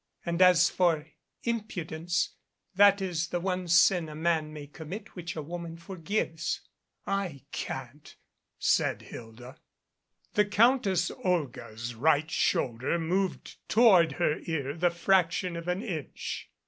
And as for impudence that is the one sin a man may commit which a woman forgives." "7 can't," said Hilda. The Countess Olga's right shoulder moved towarcl her ear the fraction of an inch.